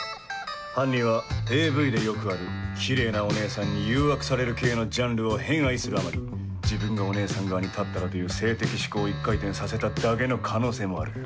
犯人はＡＶでよくあるキレイなお姉さんに誘惑される系のジャンルを偏愛するあまり自分がお姉さん側に立ったらという性的嗜好を一回転させただけの可能性もある。